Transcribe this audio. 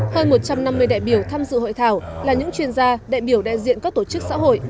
hơn một trăm năm mươi đại biểu tham dự hội thảo là những chuyên gia đại biểu đại diện các tổ chức xã hội